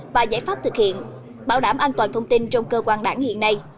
và giải pháp thực hiện bảo đảm an toàn thông tin trong cơ quan đảng hiện nay